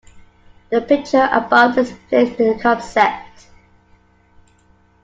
The picture above displays the concept.